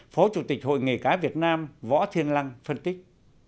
phó chủ tịch hội nghề cá việt nam võ thiên lăng phân tích